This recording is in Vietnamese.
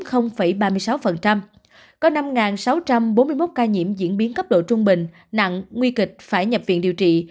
có năm sáu trăm bốn mươi một ca nhiễm diễn biến cấp độ trung bình nặng nguy kịch phải nhập viện điều trị